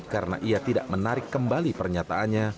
karena ia tidak menarik kembali pernyataannya